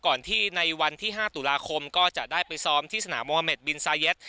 ก่อนที่ในวันที่๕ตุลาคมก็จะได้ไปซ้อมที่สนามโมฮเมดบินซาเย็ด